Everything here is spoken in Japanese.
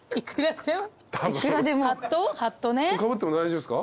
かぶっても大丈夫ですか？